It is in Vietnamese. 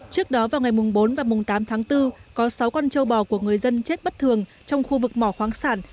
trước đó vào ngày bốn và tám tháng bốn có sáu con trâu bò của người dân chết bất thường trong khu vực mỏ khoáng sản